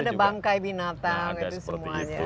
ada bangkai binatang itu semuanya